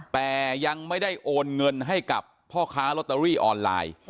แต่ยังไม่ได้โอนเงินให้กับพ่อค้าลอตเตอรี่ออนไลน์